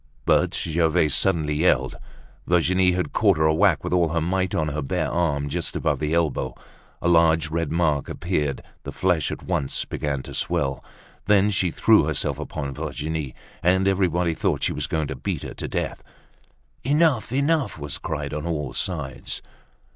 But Gervaise suddenly yelled. Virginie had caught her a whack with all her might on her bare arm, just above the elbow. A large red mark appeared, the flesh at once began to swell. Then she threw herself upon Virginie, and everyone thought she was going to beat her to death. "Enough! Enough!" was cried on all sides.